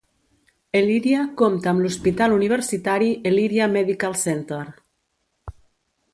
Elyria compta amb l'hospital universitari Elyria Medical Center.